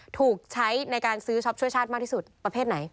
ถูกใช้ในการซื้อช็อปช่วยชาติมากที่สุดประเภทไหน